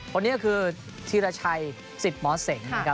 คนนี้ก็คือธิรชัยศิษฐ์มอเส้ง